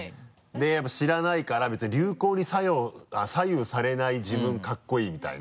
やっぱり知らないから別に流行に左右されない自分カッコイイみたいな。